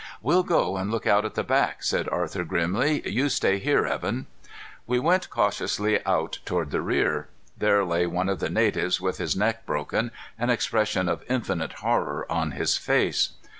"We'll go and look out at the back," said Arthur grimly. "You stay here, Evan." We went cautiously out toward the rear. There lay one of the natives with his neck broken, an expression of infinite horror on his face.